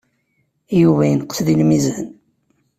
Yuba yenqes deg lmizan.